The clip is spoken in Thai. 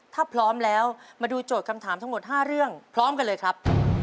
ถ้าพร้อมแล้วมาดูโจทย์คำถามทั้งหมด๕เรื่องพร้อมกันเลยครับ